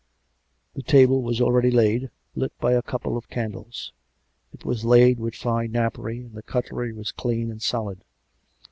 A table was already laid, lit by a couple of candles: it was laid with fine napery, and the cutlery was clean and solid.